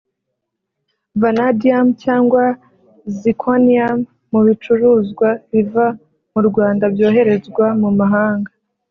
vanadium cyangwa zirconium mu bicuruzwa biva mu Rwanda byoherezwa mu mahanga